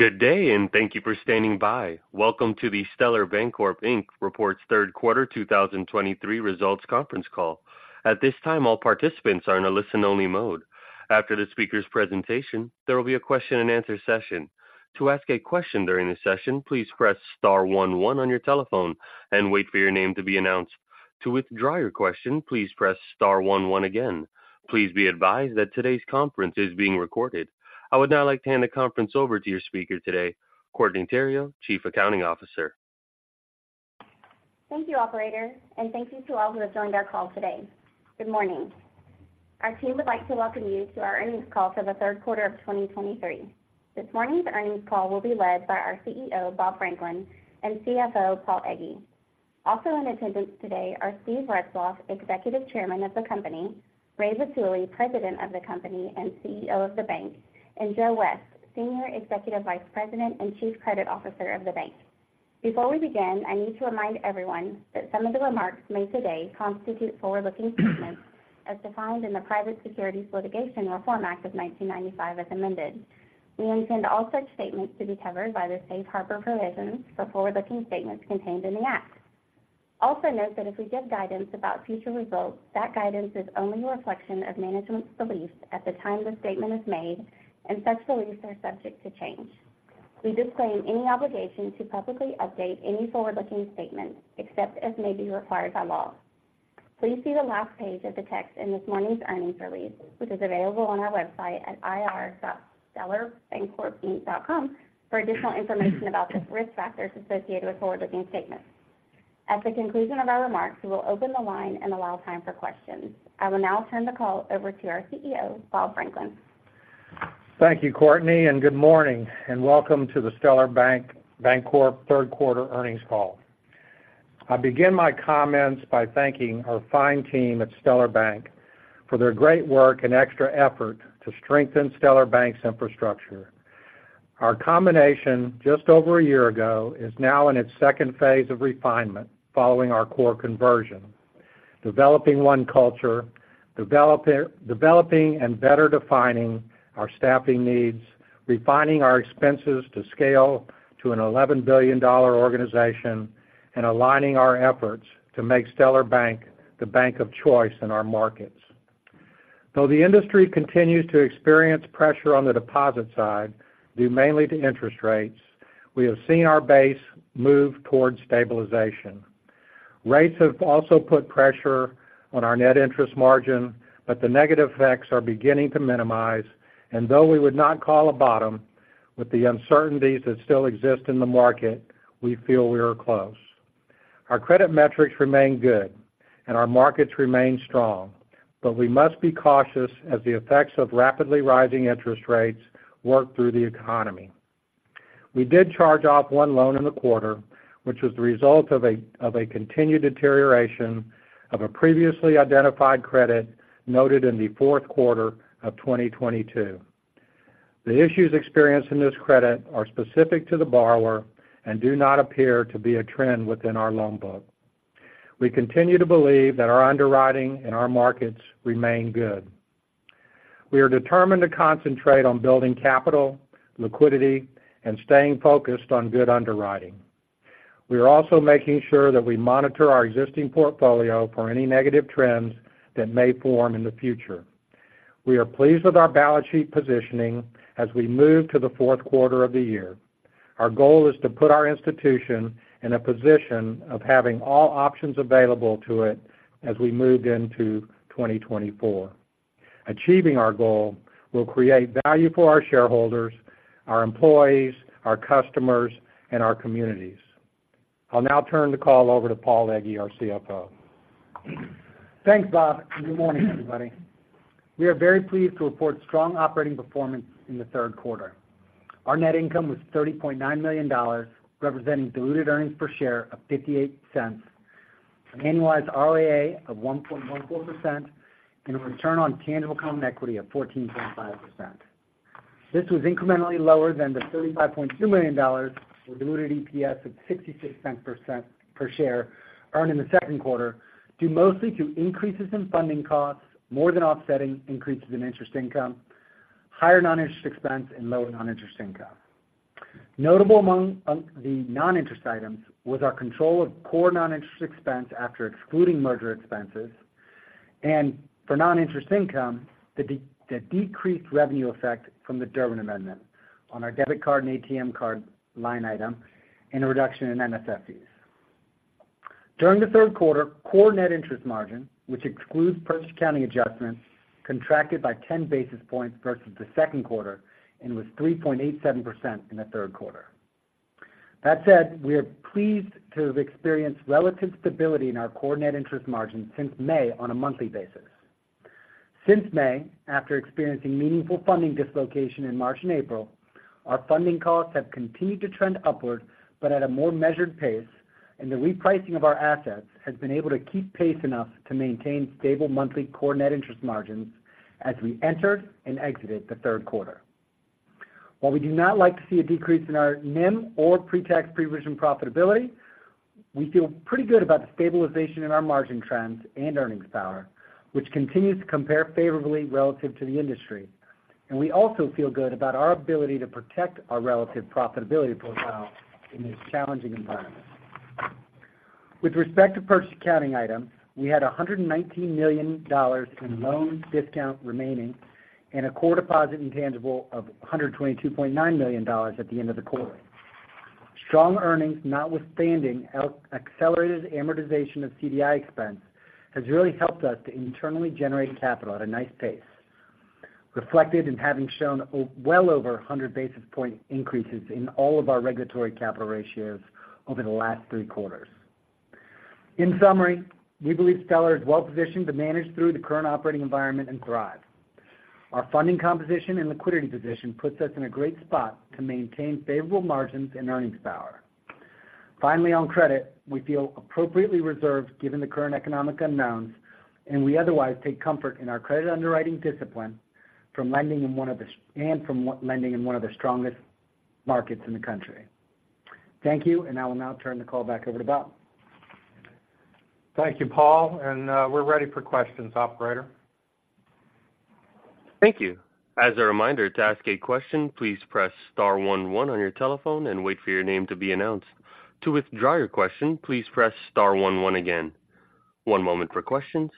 Good day, and thank you for standing by. Welcome to the Stellar Bancorp Inc. Reports Third Quarter 2023 Results conference call. At this time, all participants are in a listen-only mode. After the speaker's presentation, there will be a question-and-answer session. To ask a question during the session, please press star one one on your telephone and wait for your name to be announced. To withdraw your question, please press star one one again. Please be advised that today's conference is being recorded. I would now like to hand the conference over to your speaker today, Courtney Theriot, Chief Accounting Officer. Thank you, operator, and thank you to all who have joined our call today. Good morning. Our team would like to welcome you to our earnings call for the third quarter of 2023. This morning's earnings call will be led by our CEO, Bob Franklin, and CFO, Paul Egge. Also in attendance today are Steve Retzloff, Executive Chairman of the company; Ray Vitulli, President of the company and CEO of the bank; and Joe West, Senior Executive Vice President and Chief Credit Officer of the bank. Before we begin, I need to remind everyone that some of the remarks made today constitute forward-looking statements as defined in the Private Securities Litigation Reform Act of 1995, as amended. We intend all such statements to be covered by the Safe Harbor provisions for forward-looking statements contained in the Act. Also note that if we give guidance about future results, that guidance is only a reflection of management's beliefs at the time the statement is made, and such beliefs are subject to change. We disclaim any obligation to publicly update any forward-looking statements, except as may be required by law. Please see the last page of the text in this morning's earnings release, which is available on our website at ir.stellarbancorpinc.com, for additional information about the risk factors associated with forward-looking statements. At the conclusion of our remarks, we will open the line and allow time for questions. I will now turn the call over to our CEO, Bob Franklin. Thank you, Courtney, and good morning, and welcome to the Stellar Bancorp third quarter earnings call. I begin my comments by thanking our fine team at Stellar Bank for their great work and extra effort to strengthen Stellar Bank's infrastructure. Our combination, just over a year ago, is now in its second phase of refinement following our core conversion: developing one culture, developing and better defining our staffing needs, refining our expenses to scale to a $11 billion organization, and aligning our efforts to make Stellar Bank the bank of choice in our markets. Though the industry continues to experience pressure on the deposit side, due mainly to interest rates, we have seen our base move towards stabilization. Rates have also put pressure on our net interest margin, but the negative effects are beginning to minimize, and though we would not call a bottom, with the uncertainties that still exist in the market, we feel we are close. Our credit metrics remain good and our markets remain strong, but we must be cautious as the effects of rapidly rising interest rates work through the economy. We did charge off one loan in the quarter, which was the result of a continued deterioration of a previously identified credit noted in the fourth quarter of 2022. The issues experienced in this credit are specific to the borrower and do not appear to be a trend within our loan book. We continue to believe that our underwriting and our markets remain good. We are determined to concentrate on building capital, liquidity, and staying focused on good underwriting. We are also making sure that we monitor our existing portfolio for any negative trends that may form in the future. We are pleased with our balance sheet positioning as we move to the fourth quarter of the year. Our goal is to put our institution in a position of having all options available to it as we move into 2024. Achieving our goal will create value for our shareholders, our employees, our customers, and our communities. I'll now turn the call over to Paul Egge, our CFO. Thanks, Bob, and good morning, everybody. We are very pleased to report strong operating performance in the third quarter. Our net income was $30.9 million, representing diluted earnings per share of $0.58, an annualized ROA of 1.14%, and a return on tangible common equity of 14.5%. This was incrementally lower than the $35.2 million, or diluted EPS of $0.66 per share, earned in the second quarter, due mostly to increases in funding costs, more than offsetting increases in interest income, higher non-interest expense, and lower non-interest income. Notable among the non-interest items was our control of core non-interest expense after excluding merger expenses, and for non-interest income, the decreased revenue effect from the Durbin Amendment on our debit card and ATM card line item, and a reduction in NSF fees. During the third quarter, core net interest margin, which excludes purchase accounting adjustments, contracted by 10 basis points versus the second quarter and was 3.87% in the third quarter. That said, we are pleased to have experienced relative stability in our core net interest margin since May on a monthly basis. Since May, after experiencing meaningful funding dislocation in March and April, our funding costs have continued to trend upward, but at a more measured pace, and the repricing of our assets has been able to keep pace enough to maintain stable monthly core net interest margins as we entered and exited the third quarter. While we do not like to see a decrease in our NIM or pre-tax pre-provision profitability, we feel pretty good about the stabilization in our margin trends and earnings power, which continues to compare favorably relative to the industry. We also feel good about our ability to protect our relative profitability profile in this challenging environment. With respect to purchase accounting items, we had $119 million in loan discount remaining and a core deposit intangible of $122.9 million at the end of the quarter. Strong earnings, notwithstanding our accelerated amortization of CDI expense, has really helped us to internally generate capital at a nice pace, reflected in having shown well over 100 basis point increases in all of our regulatory capital ratios over the last three quarters. In summary, we believe Stellar is well positioned to manage through the current operating environment and thrive. Our funding composition and liquidity position puts us in a great spot to maintain favorable margins and earnings power. Finally, on credit, we feel appropriately reserved given the current economic unknowns, and we otherwise take comfort in our credit underwriting discipline from lending in one of the strongest markets in the country. Thank you, and I will now turn the call back over to Bob. Thank you, Paul, and we're ready for questions, operator. Thank you. As a reminder, to ask a question, please press star one one on your telephone and wait for your name to be announced. To withdraw your question, please press star one one again. One moment for questions.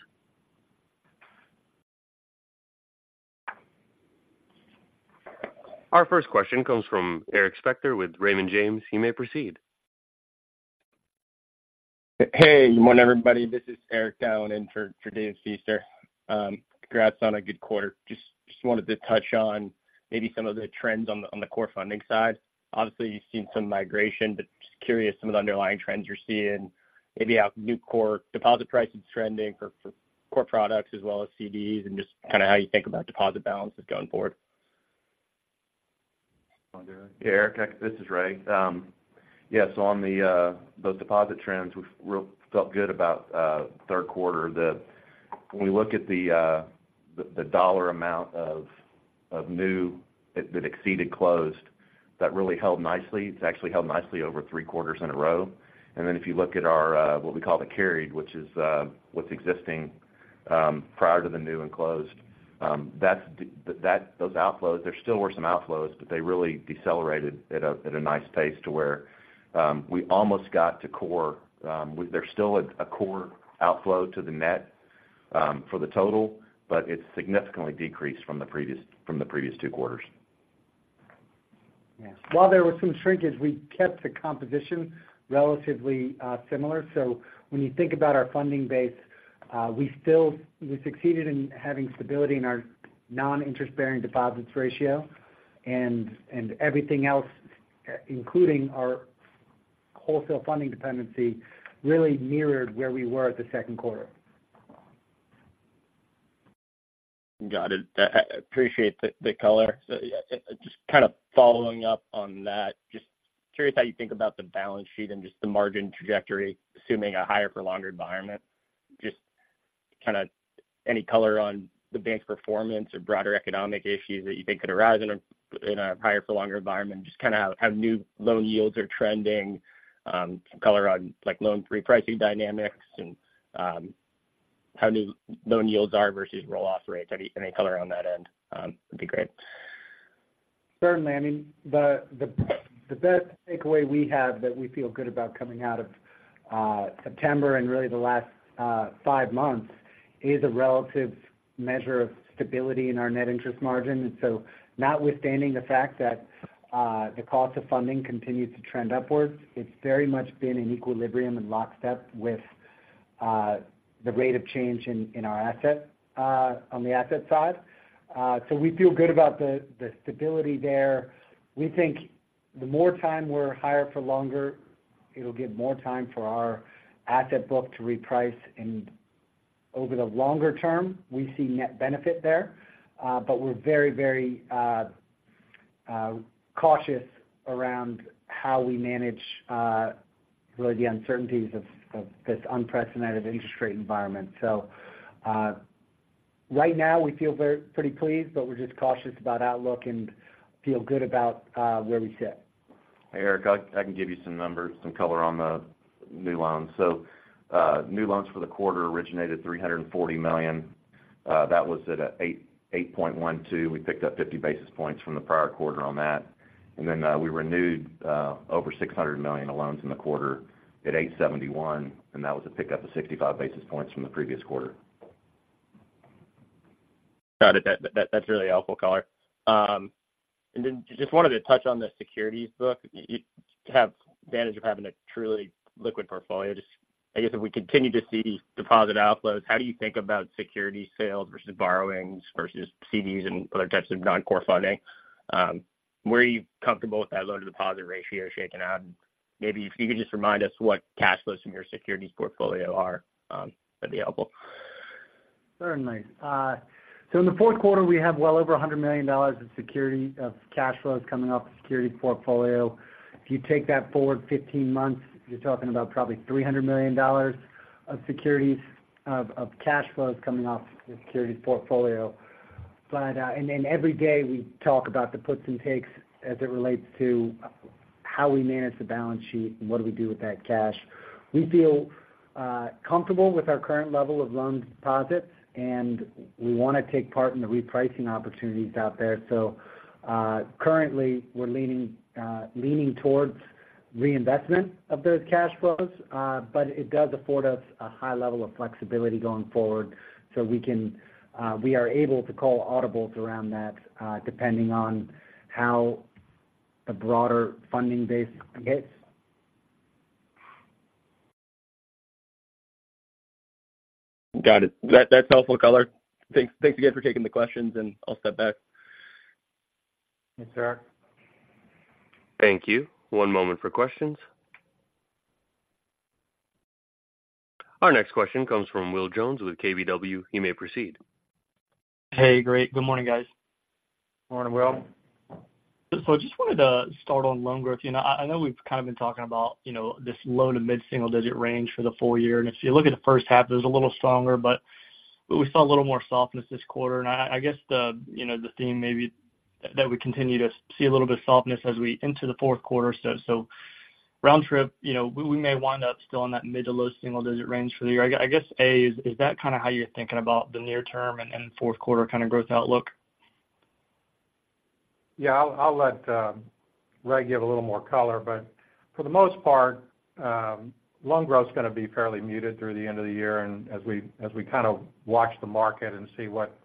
Our first question comes from Eric Spector with Raymond James. You may proceed. Hey, good morning, everybody. This is Eric, dialing in for Dave Feaster. Congrats on a good quarter. Just wanted to touch on maybe some of the trends on the core funding side. Obviously, you've seen some migration, but just curious some of the underlying trends you're seeing, maybe how new core deposit pricing is trending for core products as well as CDs, and just kind of how you think about deposit balances going forward. Yeah, Eric, this is Ray. Yes, on those deposit trends, we felt good about third quarter, that when we look at the dollar amount of new that exceeded closed, that really held nicely. It's actually held nicely over three quarters in a row. And then if you look at our what we call the carried, which is what's existing prior to the new and closed, that's those outflows, there still were some outflows, but they really decelerated at a nice pace to where we almost got to core. There's still a core outflow to the net for the total, but it's significantly decreased from the previous two quarters. Yeah. While there were some shrinkages, we kept the composition relatively similar. So when you think about our funding base, we still succeeded in having stability in our non-interest-bearing deposits ratio, and everything else, including our wholesale funding dependency, really mirrored where we were at the second quarter. Got it. I appreciate the color. So, yeah, just kind of following up on that, just curious how you think about the balance sheet and just the margin trajectory, assuming a higher for longer environment. Just kind of any color on the bank's performance or broader economic issues that you think could arise in a higher for longer environment? Just kind of how new loan yields are trending, some color on, like, loan repricing dynamics and how new loan yields are versus roll-off rates. Any color on that end would be great. Certainly. I mean, the best takeaway we have that we feel good about coming out of September and really the last five months is a relative measure of stability in our net interest margin. And so notwithstanding the fact that the cost of funding continues to trend upwards, it's very much been in equilibrium and lockstep with the rate of change in our asset on the asset side. So we feel good about the stability there. We think the more time we're higher for longer, it'll give more time for our asset book to reprice, and over the longer term, we see net benefit there. But we're very, very cautious around how we manage really the uncertainties of this unprecedented interest rate environment. So, right now we feel pretty pleased, but we're just cautious about outlook and feel good about where we sit. Eric, I can give you some numbers, some color on the new loans. So, new loans for the quarter originated $340 million. That was at 8.12%. We picked up 50 basis points from the prior quarter on that. And then, we renewed over $600 million of loans in the quarter at 8.71%, and that was a pickup of 65 basis points from the previous quarter. Got it. That that's really helpful color. And then just wanted to touch on the securities book. You have the advantage of having a truly liquid portfolio. Just, I guess, if we continue to see deposit outflows, how do you think about security sales versus borrowings, versus CDs and other types of non-core funding? Where are you comfortable with that loan-to-deposit ratio shaking out? Maybe if you could just remind us what cash flows from your securities portfolio are available. Certainly. So in the fourth quarter, we have well over $100 million of security of cash flows coming off the security portfolio. If you take that forward 15 months, you're talking about probably $300 million of securities of cash flows coming off the securities portfolio.... but, and then every day, we talk about the puts and takes as it relates to how we manage the balance sheet and what do we do with that cash. We feel comfortable with our current level of loans deposits, and we want to take part in the repricing opportunities out there. So, currently, we're leaning towards reinvestment of those cash flows, but it does afford us a high level of flexibility going forward. So we can, we are able to call audibles around that, depending on how the broader funding base gets. Got it. That's helpful color. Thanks, thanks again for taking the questions, and I'll step back. Thanks, sir. Thank you. One moment for questions. Our next question comes from Will Jones with KBW. You may proceed. Hey, great. Good morning, guys. Morning, Will. Just wanted to start on loan growth. You know, I know we've kind of been talking about, you know, this low- to mid-single-digit range for the full year. If you look at the first half, it was a little stronger, but we saw a little more softness this quarter. I guess the, you know, the theme may be that we continue to see a little bit of softness as we get into the fourth quarter. So, round trip, you know, we may wind up still in that mid- to low-single-digit range for the year. I guess, A, is that kind of how you're thinking about the near term and fourth quarter growth outlook? Yeah, I'll, I'll let Ray give a little more color. But for the most part, loan growth is gonna be fairly muted through the end of the year. And as we, as we kind of watch the market and see what,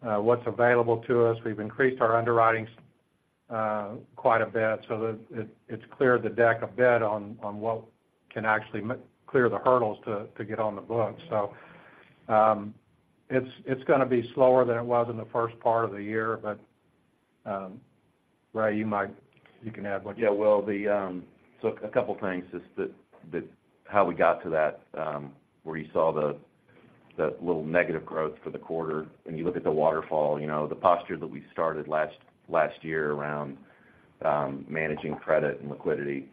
what's available to us, we've increased our underwriting quite a bit so that it, it's cleared the deck a bit on, on what can actually clear the hurdles to, to get on the books. So, it's, it's gonna be slower than it was in the first part of the year. But, Ray, you might- you can add what- Yeah, Will, the, so a couple things, just that, that how we got to that, where you saw the, the little negative growth for the quarter. When you look at the waterfall, you know, the posture that we started last year around, managing credit and liquidity,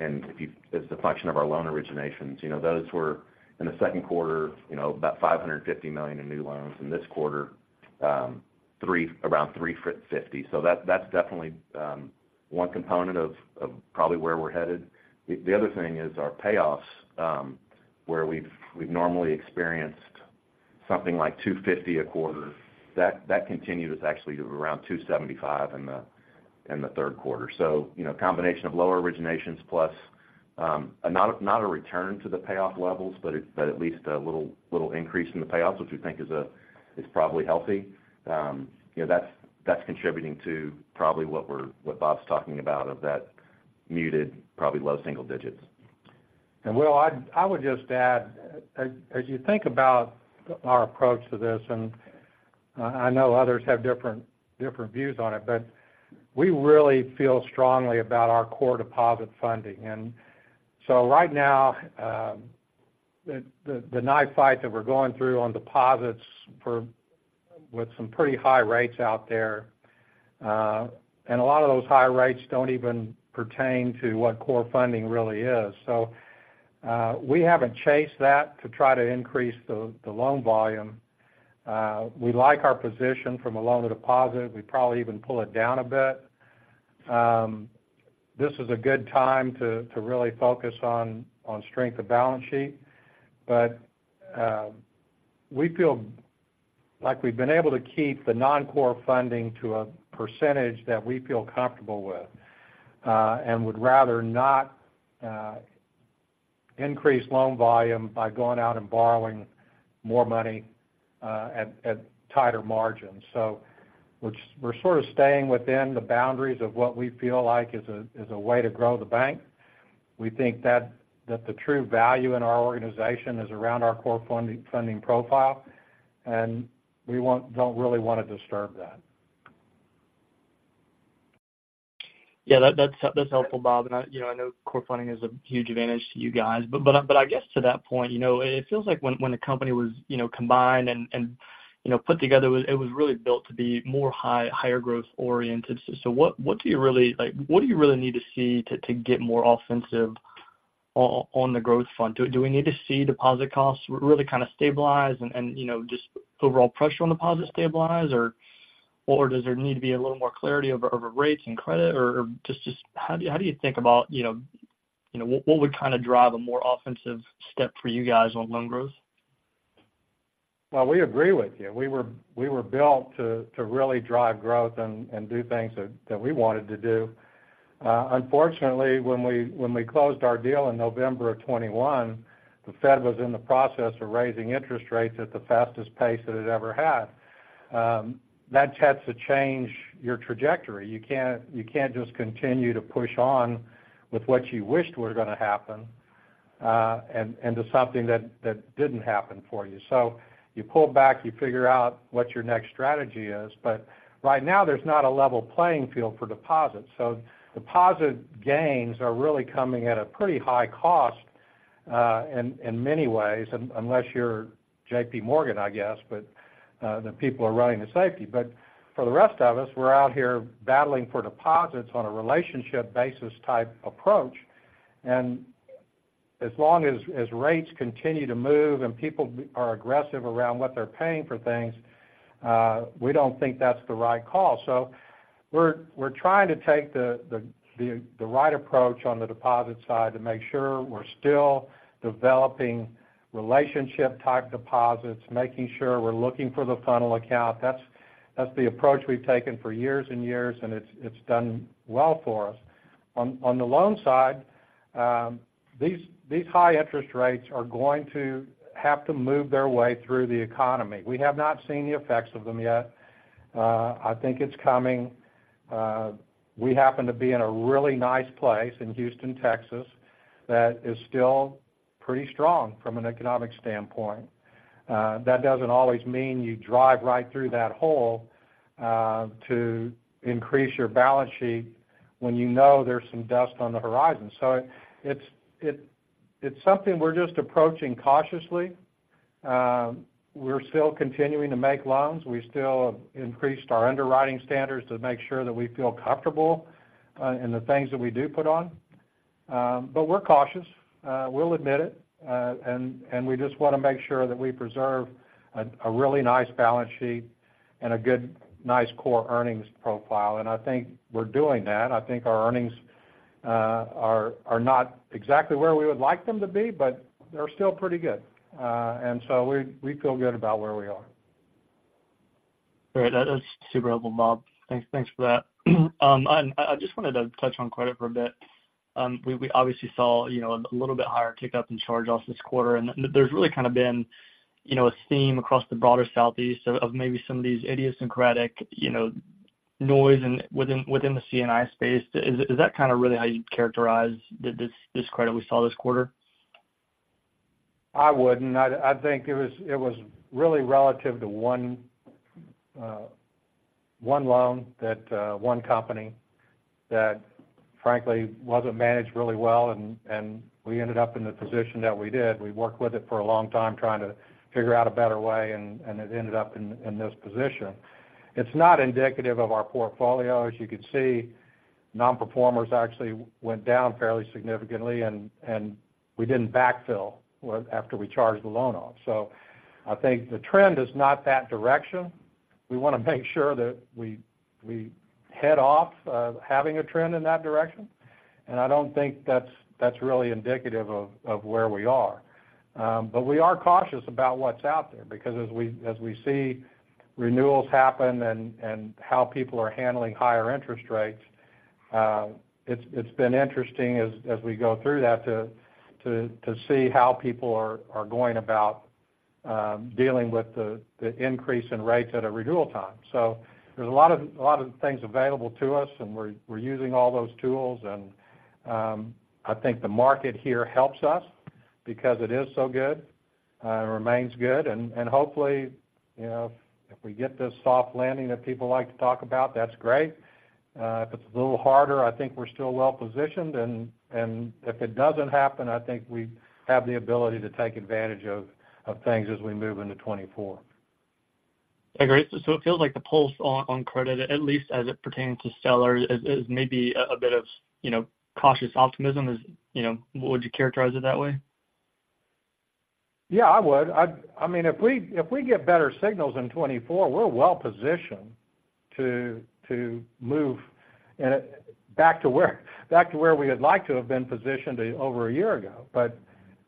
and if you as a function of our loan originations, you know, those were in the second quarter, you know, about $550 million in new loans. In this quarter, around $350 million. So that, that's definitely, one component of, of probably where we're headed. The other thing is our payoffs, where we've normally experienced something like $250 million a quarter, that continued is actually around $275 million in the third quarter. So, you know, combination of lower originations plus not a return to the payoff levels, but at least a little increase in the payoffs, which we think is probably healthy. You know, that's contributing to probably what Bob's talking about, of that muted, probably low single digits. And Will, I would just add, as you think about our approach to this, and I know others have different views on it, but we really feel strongly about our core deposit funding. And so right now, the knife fight that we're going through on deposits with some pretty high rates out there, and a lot of those high rates don't even pertain to what core funding really is. So, we haven't chased that to try to increase the loan volume. We like our position from a loan to deposit. We probably even pull it down a bit. This is a good time to really focus on strength of balance sheet. But, we feel like we've been able to keep the non-core funding to a percentage that we feel comfortable with, and would rather not increase loan volume by going out and borrowing more money, at tighter margins. So we're sort of staying within the boundaries of what we feel like is a way to grow the bank. We think that the true value in our organization is around our core funding, funding profile, and we don't really want to disturb that. Yeah, that's helpful, Bob. And you know, I know core funding is a huge advantage to you guys. But I guess to that point, you know, it feels like when the company was, you know, combined and, you know, put together, it was really built to be more higher growth oriented. So what do you really, like, what do you really need to see to get more offensive on the growth front? Do we need to see deposit costs really kind of stabilize and, you know, just overall pressure on deposits stabilize? Or does there need to be a little more clarity over rates and credit? Or just how do you think about, you know... You know, what would kind of drive a more offensive step for you guys on loan growth? Well, we agree with you. We were, we were built to, to really drive growth and, and do things that, that we wanted to do. Unfortunately, when we, when we closed our deal in November of 2021, the Fed was in the process of raising interest rates at the fastest pace that it ever had. That tends to change your trajectory. You can't, you can't just continue to push on with what you wished were gonna happen, and, and to something that, that didn't happen for you. So you pull back, you figure out what your next strategy is. But right now, there's not a level playing field for deposits. So deposit gains are really coming at a pretty high cost, in, in many ways, unless you're JPMorgan, I guess, but, the people are running to safety. But for the rest of us, we're out here battling for deposits on a relationship basis type approach. As long as rates continue to move and people are aggressive around what they're paying for things, we don't think that's the right call. So we're trying to take the right approach on the deposit side to make sure we're still developing relationship-type deposits, making sure we're looking for the funnel account. That's the approach we've taken for years and years, and it's done well for us. On the loan side, these high interest rates are going to have to move their way through the economy. We have not seen the effects of them yet. I think it's coming. We happen to be in a really nice place in Houston, Texas, that is still pretty strong from an economic standpoint. That doesn't always mean you drive right through that hole to increase your balance sheet when you know there's some dust on the horizon. So it's something we're just approaching cautiously. We're still continuing to make loans. We still have increased our underwriting standards to make sure that we feel comfortable in the things that we do put on. But we're cautious, we'll admit it. And we just wanna make sure that we preserve a really nice balance sheet and a good, nice core earnings profile. And I think we're doing that. I think our earnings are not exactly where we would like them to be, but they're still pretty good. We feel good about where we are. Great. That is super helpful, Bob. Thanks, thanks for that. I just wanted to touch on credit for a bit. We obviously saw, you know, a little bit higher tick-up in charge-offs this quarter, and there's really kind of been, you know, a theme across the broader Southeast of maybe some of these idiosyncratic, you know, noise in within the C&I space. Is that kind of really how you'd characterize this credit we saw this quarter? I wouldn't. I think it was really relative to one loan that one company that, frankly, wasn't managed really well, and we ended up in the position that we did. We worked with it for a long time, trying to figure out a better way, and it ended up in this position. It's not indicative of our portfolio. As you can see, nonperformers actually went down fairly significantly, and we didn't backfill after we charged the loan off. So I think the trend is not that direction. We wanna make sure that we head off having a trend in that direction, and I don't think that's really indicative of where we are. But we are cautious about what's out there because as we see renewals happen and how people are handling higher interest rates, it's been interesting as we go through that to see how people are going about dealing with the increase in rates at a renewal time. So there's a lot of things available to us, and we're using all those tools. And I think the market here helps us because it is so good and remains good. And hopefully, you know, if we get this soft landing that people like to talk about, that's great. If it's a little harder, I think we're still well positioned. And if it doesn't happen, I think we have the ability to take advantage of things as we move into 2024. Agree. So it feels like the pulse on credit, at least as it pertains to Stellar, is maybe a bit of, you know, cautious optimism. You know-- Would you characterize it that way? Yeah, I would. I mean, if we get better signals in 2024, we're well positioned to move back to where we would like to have been positioned over a year ago. But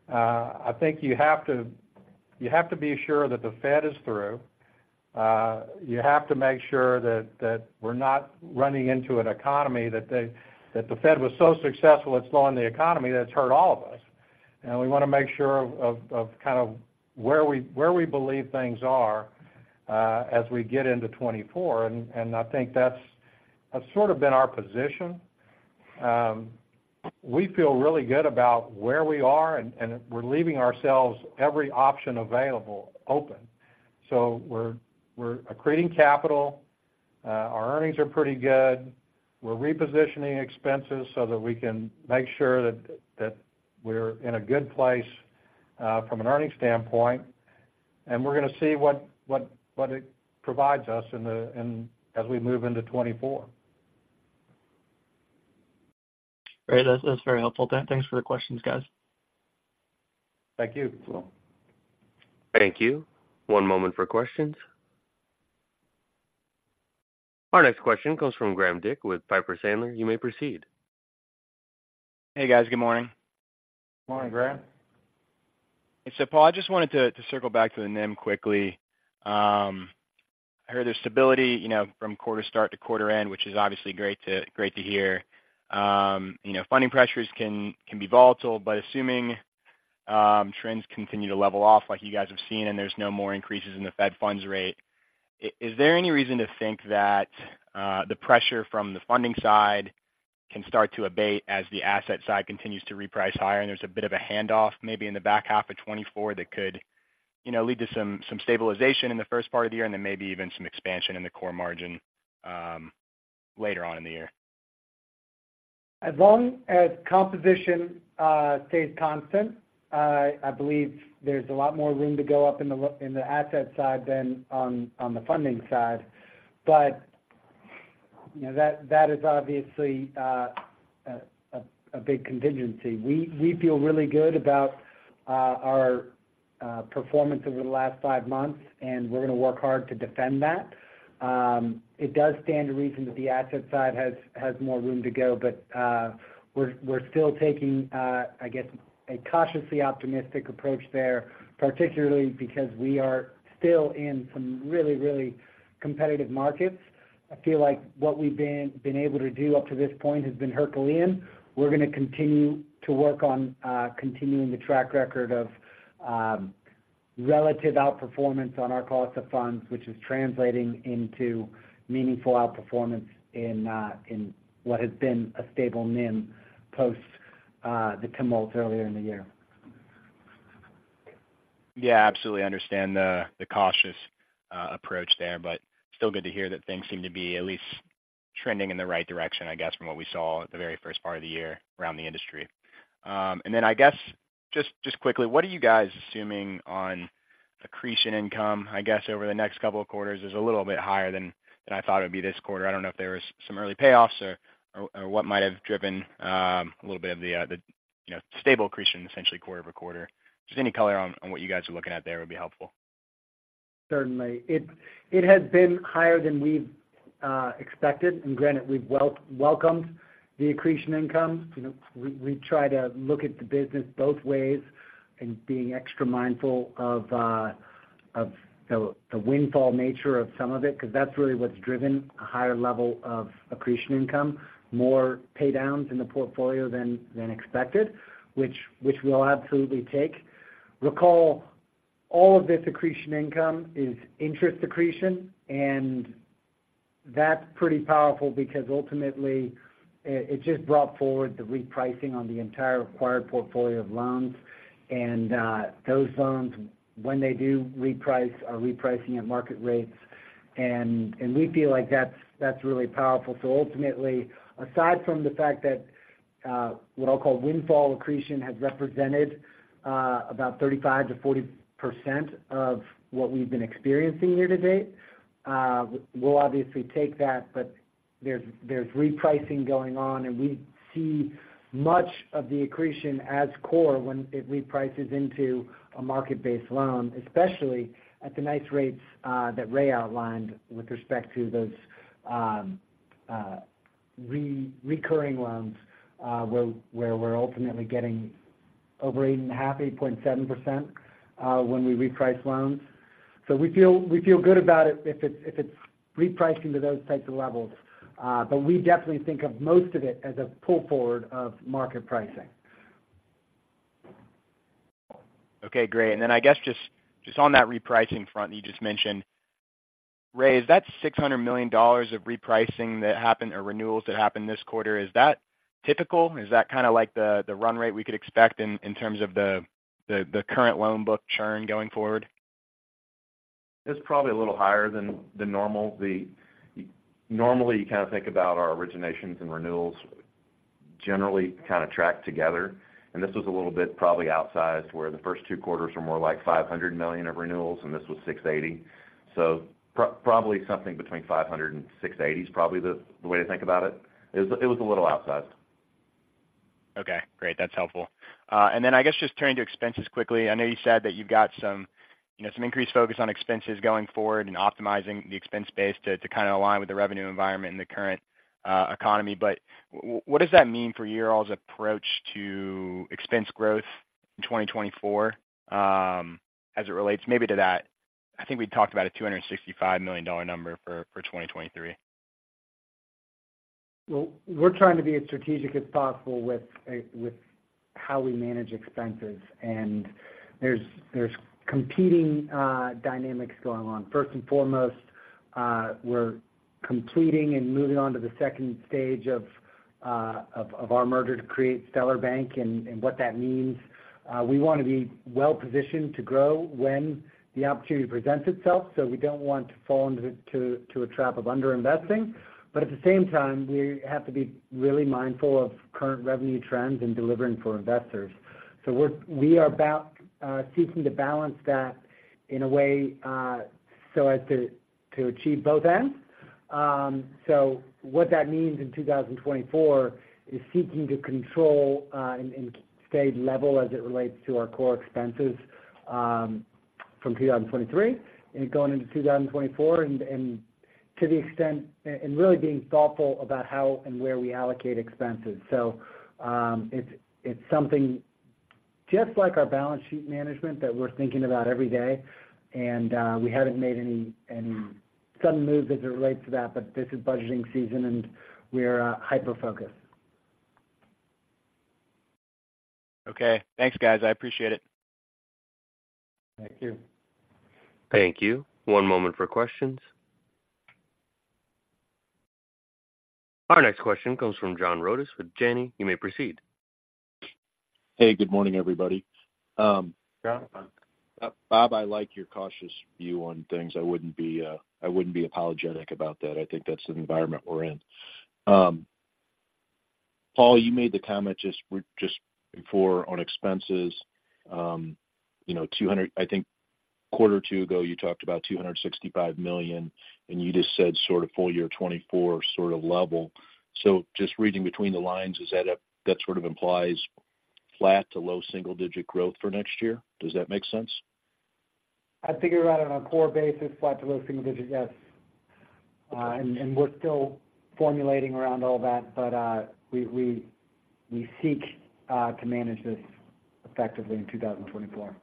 I think you have to be sure that the Fed is through. You have to make sure that we're not running into an economy that the Fed was so successful at slowing the economy that it's hurt all of us. And we wanna make sure of kind of where we believe things are as we get into 2024, and I think that's sort of been our position. We feel really good about where we are, and we're leaving ourselves every option available open. So we're accreting capital, our earnings are pretty good, we're repositioning expenses so that we can make sure that we're in a good place, from an earnings standpoint, and we're gonna see what it provides us in as we move into 2024. Great. That's, that's very helpful. Thanks for the questions, guys. Thank you, Will. Thank you. One moment for questions. Our next question comes from Graham Dick with Piper Sandler. You may proceed. Hey, guys. Good morning. Morning, Graham. And so, Paul, I just wanted to circle back to the NIM quickly. I heard there's stability, you know, from quarter start to quarter end, which is obviously great to hear. You know, funding pressures can be volatile, but assuming trends continue to level off like you guys have seen, and there's no more increases in the Fed funds rate, is there any reason to think that the pressure from the funding side can start to abate as the asset side continues to reprice higher, and there's a bit of a handoff maybe in the back half of 2024 that could, you know, lead to some stabilization in the first part of the year, and then maybe even some expansion in the core margin later on in the year? As long as composition stays constant, I believe there's a lot more room to go up in the in the asset side than on, on the funding side. But... You know, that, that is obviously a, a big contingency. We, we feel really good about our performance over the last five months, and we're gonna work hard to defend that. It does stand to reason that the asset side has, has more room to go, but we're, we're still taking I guess, a cautiously optimistic approach there, particularly because we are still in some really, really competitive markets. I feel like what we've been, been able to do up to this point has been Herculean. We're gonna continue to work on continuing the track record of relative outperformance on our cost of funds, which is translating into meaningful outperformance in what has been a stable NIM, post the tumult earlier in the year. Yeah, absolutely understand the cautious approach there, but still good to hear that things seem to be at least trending in the right direction, I guess, from what we saw at the very first part of the year around the industry. And then I guess, just quickly, what are you guys assuming on accretion income? I guess, over the next couple of quarters is a little bit higher than I thought it would be this quarter. I don't know if there was some early payoffs or what might have driven a little bit of the, you know, stable accretion, essentially, quarter-over-quarter. Just any color on what you guys are looking at there would be helpful.. Certainly. It has been higher than we've expected, and granted, we've welcomed the accretion income. You know, we try to look at the business both ways and being extra mindful of the windfall nature of some of it, because that's really what's driven a higher level of accretion income, more paydowns in the portfolio than expected, which we'll absolutely take. Recall, all of this accretion income is interest accretion, and that's pretty powerful because ultimately, it just brought forward the repricing on the entire acquired portfolio of loans. And those loans, when they do reprice, are repricing at market rates, and we feel like that's really powerful. So ultimately, aside from the fact that what I'll call windfall accretion has represented about 35%-40% of what we've been experiencing year to date, we'll obviously take that, but there's repricing going on, and we see much of the accretion as core when it reprices into a market-based loan, especially at the nice rates that Ray outlined with respect to those recurring loans, where we're ultimately getting over 8.5%, 8.7% when we reprice loans. So we feel good about it if it's repriced into those types of levels. But we definitely think of most of it as a pull forward of market pricing. Okay, great. And then I guess just, just on that repricing front you just mentioned, Ray, is that $600 million of repricing that happened or renewals that happened this quarter, is that typical? Is that kind of like the run rate we could expect in terms of the current loan book churn going forward? It's probably a little higher than normal. Normally, you kind of think about our originations and renewals generally kind of track together, and this was a little bit probably outsized, where the first two quarters were more like $500 million of renewals, and this was $680 million. So probably something between $500 million and $680 million is probably the way to think about it. It was a little outsized. Okay, great. That's helpful. And then I guess just turning to expenses quickly. I know you said that you've got some, you know, some increased focus on expenses going forward and optimizing the expense base to, to kind of align with the revenue environment in the current economy. But what does that mean for your all's approach to expense growth in 2024, as it relates maybe to that? I think we talked about a $265 million number for 2023. Well, we're trying to be as strategic as possible with how we manage expenses, and there's competing dynamics going on. First and foremost, we're completing and moving on to the second stage of our merger to create Stellar Bank and what that means. We want to be well-positioned to grow when the opportunity presents itself, so we don't want to fall into a trap of underinvesting. But at the same time, we have to be really mindful of current revenue trends and delivering for investors. So we're seeking to balance that in a way so as to achieve both ends. So what that means in 2024 is seeking to control and stay level as it relates to our core expenses from 2023 and going into 2024, and to the extent... And really being thoughtful about how and where we allocate expenses. So it's something just like our balance sheet management that we're thinking about every day, and we haven't made any sudden moves as it relates to that. But this is budgeting season, and we're hyper-focused. Okay. Thanks, guys. I appreciate it. Thank you. Thank you. One moment for questions. Our next question comes from John Rodis with Janney. You may proceed. Hey, good morning, everybody. John. Bob, I like your cautious view on things. I wouldn't be, I wouldn't be apologetic about that. I think that's the environment we're in.... Paul, you made the comment just, just before on expenses. You know, 200—I think a quarter or two ago, you talked about $265 million, and you just said sort of full year 2024 sort of level. So just reading between the lines, is that a, that sort of implies flat to low single-digit growth for next year? Does that make sense? I figure out on a core basis, flat to low single digit, yes. And we're still formulating around all that, but we seek to manage this effectively in 2024.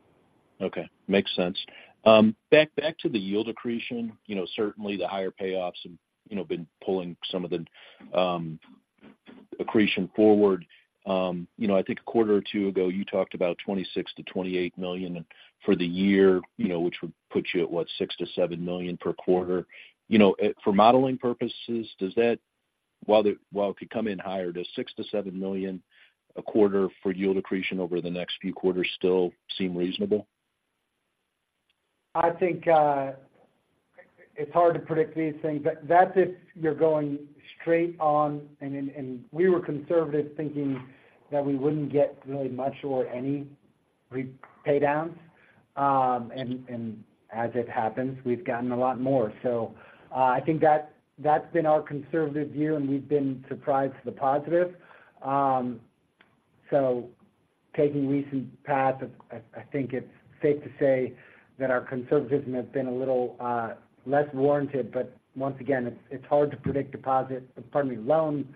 Okay, makes sense. Back to the yield accretion, you know, certainly the higher payoffs have, you know, been pulling some of the accretion forward. You know, I think a quarter or two ago, you talked about $26 million-$28 million for the year, you know, which would put you at, what? $6 million-$7 million per quarter. You know, for modeling purposes, does that—while it, while it could come in higher, does $6 million-$7 million a quarter for yield accretion over the next few quarters still seem reasonable? I think it's hard to predict these things, but that's if you're going straight on, and we were conservative, thinking that we wouldn't get really much or any paydowns. As it happens, we've gotten a lot more. So, I think that's been our conservative view, and we've been surprised for the positive. So taking recent path, I think it's safe to say that our conservatism has been a little less warranted, but once again, it's hard to predict deposit, pardon me, loan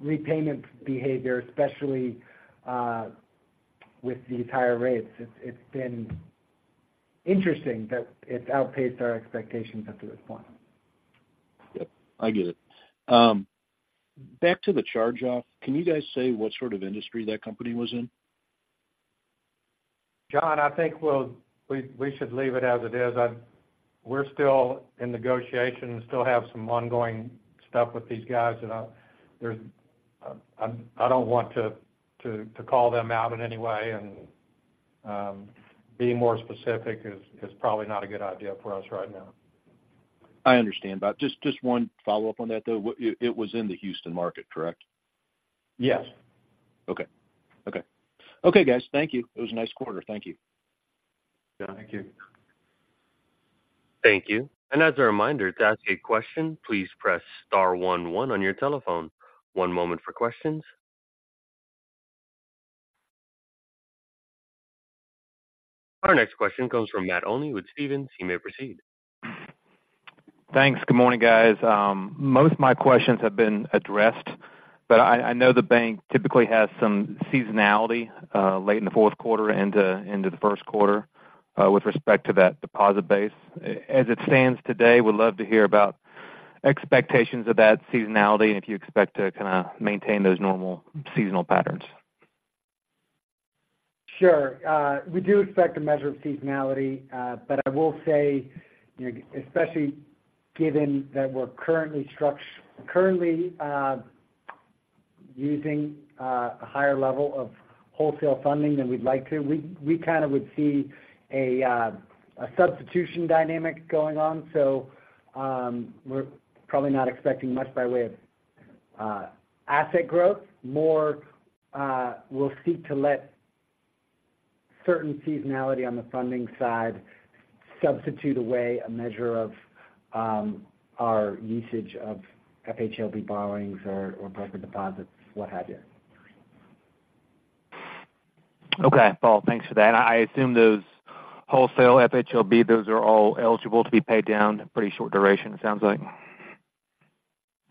repayment behavior, especially with the higher rates. It's been interesting that it's outpaced our expectations up to this point. Yep, I get it. Back to the charge-off, can you guys say what sort of industry that company was in? John, I think we'll, we should leave it as it is. We're still in negotiation and still have some ongoing stuff with these guys, and I don't want to call them out in any way, and be more specific is probably not a good idea for us right now. I understand. But just, just one follow-up on that, though. It was in the Houston market, correct? Yes. Okay. Okay. Okay, guys. Thank you. It was a nice quarter. Thank you. Yeah, thank you. Thank you. As a reminder, to ask a question, please press star one, one on your telephone. One moment for questions. Our next question comes from Matt Olney with Stephens. He may proceed. Thanks. Good morning, guys. Most of my questions have been addressed, but I know the bank typically has some seasonality late in the fourth quarter into the first quarter with respect to that deposit base. As it stands today, would love to hear about expectations of that seasonality, and if you expect to kind of maintain those normal seasonal patterns. Sure. We do expect a measure of seasonality, but I will say, you know, especially given that we're currently using a higher level of wholesale funding than we'd like to, we kind of would see a substitution dynamic going on. So, we're probably not expecting much by way of asset growth. More, we'll seek to let certain seasonality on the funding side substitute away a measure of our usage of FHLB borrowings or proper deposits, what have you. Okay, Paul, thanks for that. I assume those wholesale FHLB, those are all eligible to be paid down in pretty short duration, it sounds like?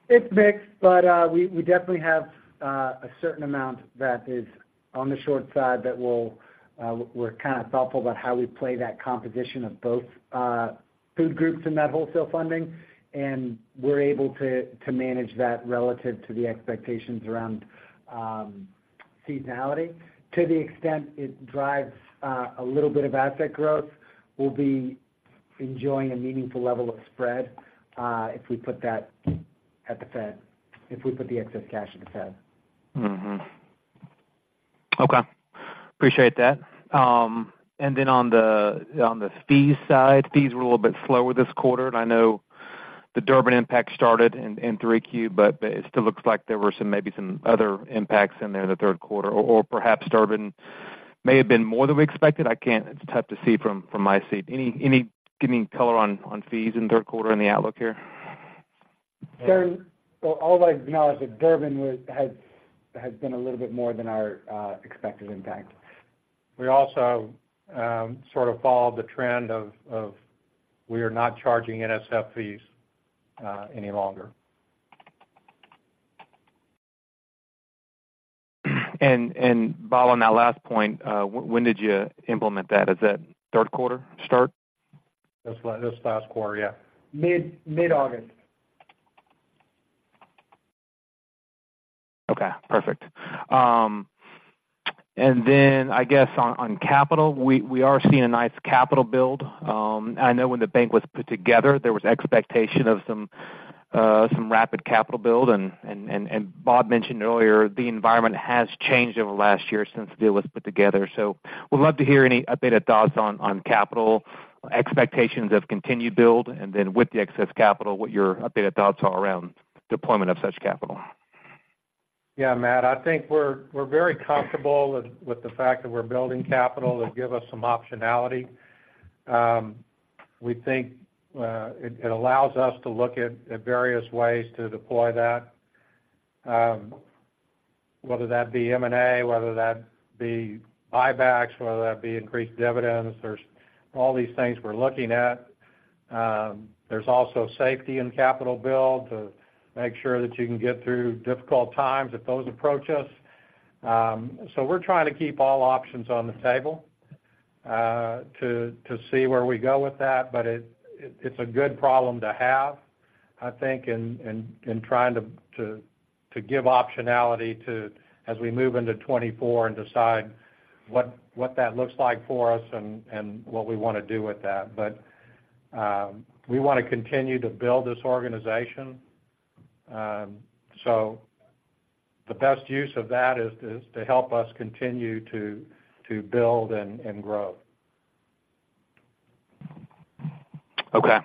It's mixed, but, we, we definitely have, a certain amount that is on the short side that we'll, we're kind of thoughtful about how we play that composition of both, food groups in that wholesale funding, and we're able to, to manage that relative to the expectations around, seasonality. To the extent it drives, a little bit of asset growth, we'll be enjoying a meaningful level of spread, if we put that at the Fed, if we put the excess cash in the Fed. Mm-hmm. Okay, appreciate that. On the fees side, fees were a little bit slower this quarter, and I know the Durbin impact started in 3Q, but it still looks like there were some, maybe some other impacts in there in the third quarter, or perhaps Durbin may have been more than we expected. I can't-- it's tough to see from my seat. Any-- give me color on fees in the third quarter and the outlook here? Sure. Well, all I'd acknowledge is that Durbin was, has been a little bit more than our expected impact. We also sort of followed the trend of we are not charging NSF fees any longer. And Bob, on that last point, when did you implement that? Is that third quarter start? This last quarter, yeah. Mid, mid-August. Okay, perfect. And then I guess on capital, we are seeing a nice capital build. I know when the bank was put together, there was expectation of some rapid capital build, and Bob mentioned earlier, the environment has changed over the last year since the deal was put together. So would love to hear any updated thoughts on capital, expectations of continued build, and then with the excess capital, what your updated thoughts are around deployment of such capital. Yeah, Matt, I think we're very comfortable with the fact that we're building capital to give us some optionality. We think it allows us to look at various ways to deploy that, whether that be M&A, whether that be buybacks, whether that be increased dividends. There's all these things we're looking at. There's also safety in capital build to make sure that you can get through difficult times if those approach us. So we're trying to keep all options on the table, to see where we go with that, but it's a good problem to have, I think, in trying to give optionality to—as we move into 2024 and decide what that looks like for us and what we wanna do with that. We wanna continue to build this organization, so the best use of that is to help us continue to build and grow. Okay.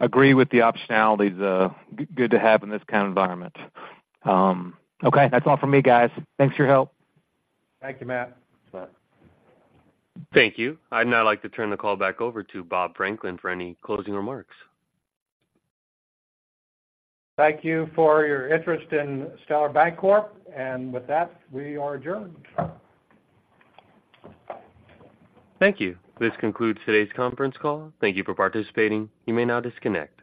Agree with the optionalities, good to have in this kind of environment. Okay, that's all for me, guys. Thanks for your help. Thank you, Matt. Bye. Thank you. I'd now like to turn the call back over to Bob Franklin for any closing remarks. Thank you for your interest in Stellar Bancorp, and with that, we are adjourned. Thank you. This concludes today's conference call. Thank you for participating. You may now disconnect.